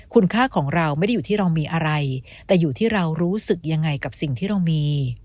คุณค่าของเราไม่ได้อยู่ที่เรามีอะไรแต่อยู่ที่เรารู้สึกยังไงกับสิ่งที่เรามี